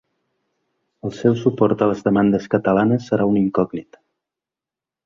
El seu suport a les demandes catalanes serà una incògnita.